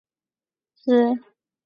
后迁任司空司马越的从事中郎。